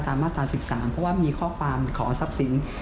ตามมาตราสิบสามเพราะว่ามีข้อความขอทรัพย์สิน